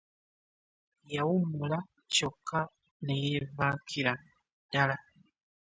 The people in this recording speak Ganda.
Yawummula kyokka neyevakira ddala.